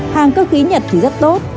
hàng cơ khí nhật thì rất tốt